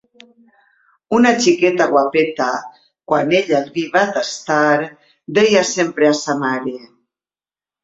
Una xiqueta guapeta, quan ella el vi va tastar, deia sempre a sa mare: